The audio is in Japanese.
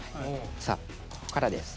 さあここからです。